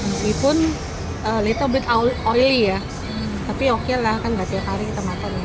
meskipun little bit oilly ya tapi oke lah kan gak tiap hari kita makan